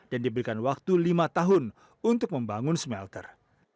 dan diberikan waktu lima tahun untuk membangun smelter